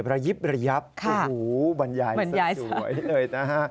ระยิบระยับโอ้โหบรรยายสวยเลยนะฮะ